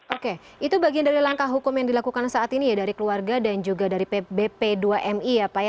oke itu bagian dari langkah hukum yang dilakukan saat ini ya dari keluarga dan juga dari bp dua mi ya pak ya